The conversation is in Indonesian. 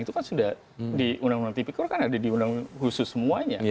itu kan sudah di undang undang tipik korps kan ada di undang khusus semuanya